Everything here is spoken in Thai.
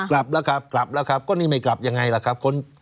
กลับแล้วครับกลับแล้วครับก็นี่ไม่กลับยังไงล่ะครับ